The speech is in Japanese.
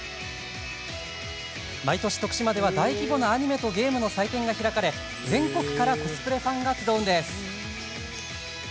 毎年、徳島では大規模なアニメとゲームの祭典が開かれ全国からコスプレファンが集うんです。